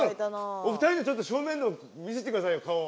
お二人でちょっと正面の見せてくださいよ顔を。